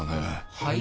はい？